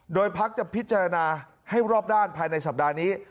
โดยพักจะพิจารณาให้รอบด้านภายในสัปดาห์นี้